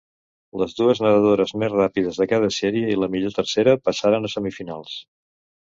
Les dues nedadores més ràpides de cada sèrie i la millor tercera passaren a semifinals.